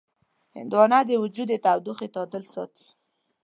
هندوانه د وجود د تودوخې تعادل ساتي.